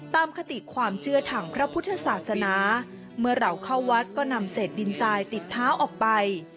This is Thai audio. คติความเชื่อทางพระพุทธศาสนาเมื่อเราเข้าวัดก็นำเศษดินทรายติดเท้าออกไป